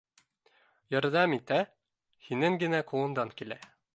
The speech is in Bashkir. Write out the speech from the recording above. Ярҙам ит, ә? һинең генә ҡулыңдан килә